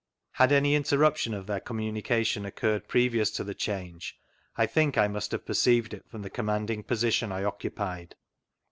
Had any interruption of their communication occurred previous to the change, I think I must have perceived it from the commanding position I occuffled.